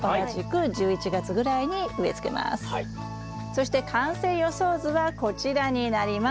そして完成予想図はこちらになります。